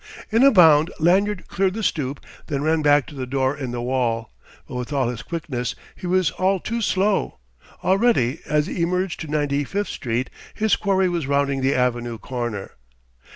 In a bound Lanyard cleared the stoop, then ran back to the door in the wall. But with all his quickness he was all too slow; already, as he emerged to Ninety fifth Street, his quarry was rounding the Avenue corner.